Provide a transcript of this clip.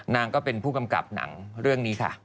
นางก็เป็นผู้กำกับหนังเรื่องนี้ค่ะ